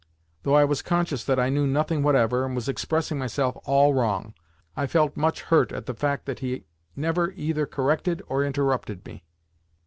Though I was conscious that I knew nothing whatever and was expressing myself all wrong, I felt much hurt at the fact that he never either corrected or interrupted me.